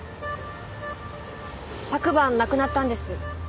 昨晩亡くなったんです。